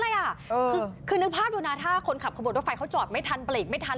แบบนี้อะไรอะคือนึกภาพดูนะถ้าคนขับรถไฟเขาจอดไม่ทันเปลี่ยงไม่ทัน